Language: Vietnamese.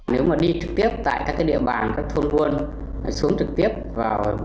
nếu mà đi trực tiếp tại các địa bàn các thôn buôn xuống trực tiếp vào